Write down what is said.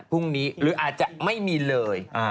พรุ่งนี้หรืออาจจะไม่มีเลย